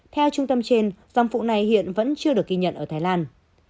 theo trung tâm trên dòng phụ này hiện vẫn chưa được ghi nhận ở thái lan